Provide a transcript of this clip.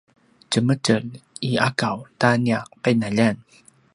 djemetj i akaw ta nia qinaljan